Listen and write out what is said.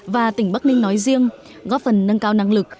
và tỉnh bắc ninh nói riêng góp phần nâng cao năng lực